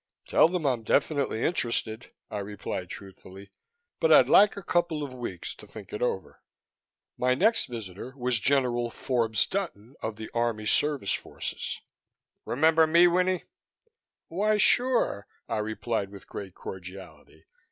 "Tell them I'm definitely interested," I replied truthfully, "but I'd like a couple of weeks to think it over." My next visitor was General Forbes Dutton of the Army Service Forces. "Remember me, Winnie?" "Why sure!" I replied with great cordiality.